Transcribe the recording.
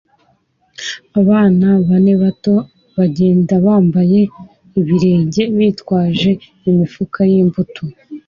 Abana bane bato bagenda bambaye ibirenge bitwaje imifuka yimbuto